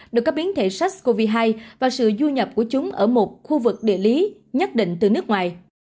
được các biến thể sars cov hai và sự du nhập của chúng ở một khu vực địa lý nhất định từ nước ngoài